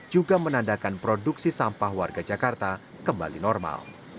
juga menandakan produksi sampah warga jakarta kembali normal